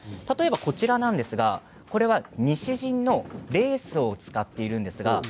こちらは西陣のレースを使っています。